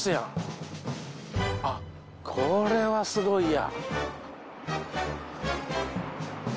これはすごいや。